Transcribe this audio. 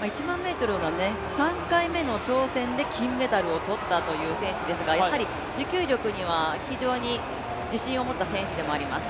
１００００ｍの３回目の挑戦で金メダルを取ったという選手ですが持久力には非常に自信を持った選手でもあります。